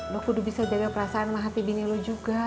lu kudu bisa jaga perasaan sama hati bini lu juga